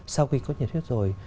sau khi có nhiệt huyết rồi